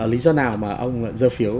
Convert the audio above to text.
lý do nào mà ông dơ phiếu